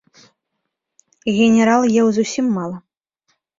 Генерал еў зусім мала.